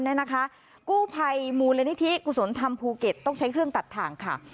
กู้ภัยมูลนิธิกุศลธรรมภูเก็ตต้องใช้เครื่องตัดทางค่ะ